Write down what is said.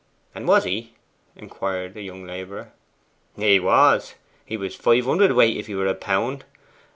'And was he?' inquired a young labourer. 'He was. He was five hundredweight if 'a were a pound.